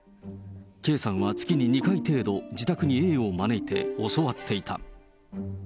Ｋさんは月に２回程度、自宅にＡを招いて教わっていた。